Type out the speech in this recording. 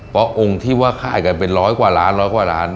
เพราะองค์ที่ว่าค่ายกันเป็นร้อยกว่าล้านร้อยกว่าล้าน